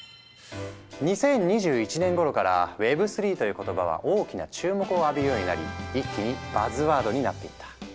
２０２１年頃からＷｅｂ３という言葉は大きな注目を浴びるようになり一気にバズワードになっていった。